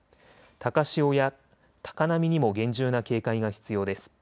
高潮や高波にも厳重な警戒が必要です。